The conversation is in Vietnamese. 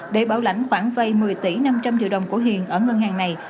để bảo lãnh khoảng vây một mươi tỷ năm trăm linh triệu đồng của hiền ở ngân hàng này